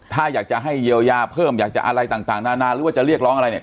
ถ้าอยากจะให้เยียวยาเพิ่มอยากจะอะไรต่างนานาหรือว่าจะเรียกร้องอะไรเนี่ย